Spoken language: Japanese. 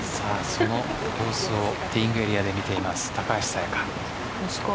その様子をティーイングエリアで見ています、高橋彩華。